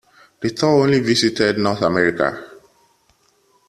The tour only visited North America.